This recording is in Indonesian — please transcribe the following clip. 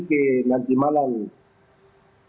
jadi nanti malam